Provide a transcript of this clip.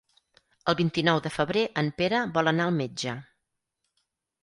El vint-i-nou de febrer en Pere vol anar al metge.